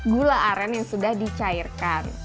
gula aren yang sudah dicairkan